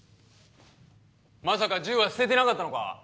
まさか銃は捨ててなかったのか？